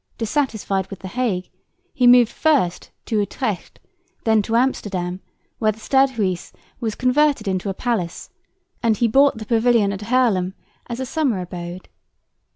Dissatisfied with the Hague, he moved first to Utrecht, then to Amsterdam, where the Stadhuis was converted into a palace; and he bought the Pavilion at Haarlem as a summer abode.